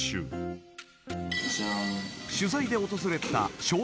［取材で訪れた］